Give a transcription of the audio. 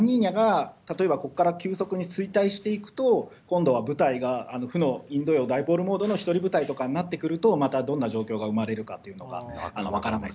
例えばラニーニャが例えばこっから急速に衰退していくと、今度は舞台が負のインド洋ダイポールモードの一人舞台になってくると、またどんな状況が生まれるかっていうのが分からない。